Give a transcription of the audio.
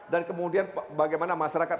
dan kemudian bagaimana masyarakat